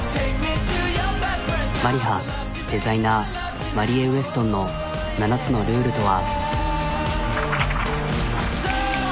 ＭＡＲＩＨＡデザイナーマリエウエストンの７つのルールとは。